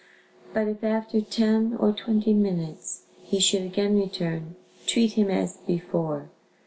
But if after ten, or twenty minutes, he should again return, treat him as before.